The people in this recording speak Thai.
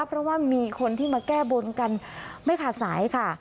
เพราะว่ามีคนที่มาแก้บนกันไม่ขาดสายค่ะ